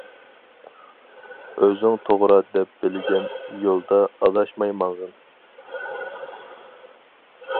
ئۆزۈڭ توغرا دەپ بىلگەن يولدا ئاداشماي ماڭغىن.